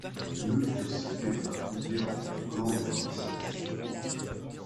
Le est situé à la frontière entre la Finlande et la Russie.